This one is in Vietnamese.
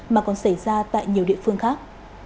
mà còn xảy ra tại nhiều địa phương khác